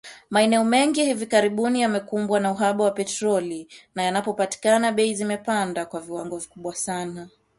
Maeneo mengi hivi karibuni yamekumbwa na uhaba wa petroli na yanapopatikana, bei zimepanda kwa viwango vikubwa sana